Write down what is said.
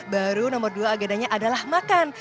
baru nomor dua agendanya adalah makan